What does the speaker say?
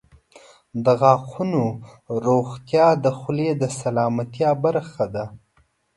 • د غاښونو روغتیا د خولې د سلامتیا برخه ده.